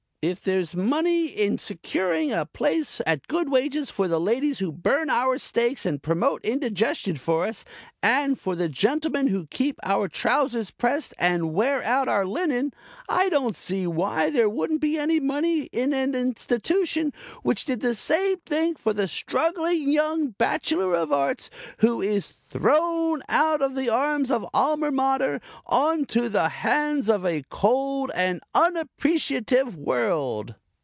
If there's money in securing a place at good wages for the ladies who burn our steaks and promote indigestion for us, and for the gentlemen who keep our trousers pressed and wear out our linen, I don't see why there wouldn't be money in an institution which did the same thing for the struggling young bachelor of arts who is thrown out of the arms of Alma Mater on to the hands of a cold and unappreciative world."